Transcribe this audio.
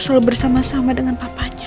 selalu bersama sama dengan papanya